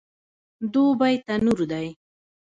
دوبی تنور دی